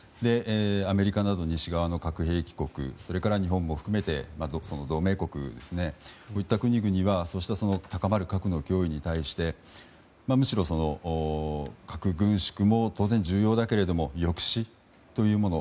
アメリカなど西側の核兵器国それから日本も含めて同盟国こういった国々は高まる核の脅威に対してむしろ、核軍縮も当然重要だけれど抑止というもの